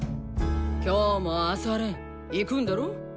今日も朝練行くんだろ？